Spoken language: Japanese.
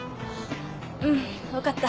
うん分かった。